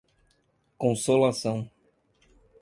Consolação